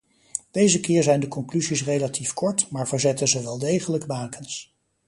Deze keer zijn de conclusies relatief kort, maar verzetten ze wel degelijk bakens.